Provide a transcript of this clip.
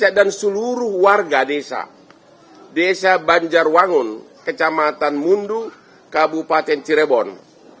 ada tiga orang yang diduga sebagai pelaku penganiayaan menyebutkan meninggalnya vina